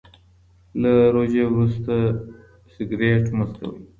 له روژې وروسته مه سګریټ څکوئ.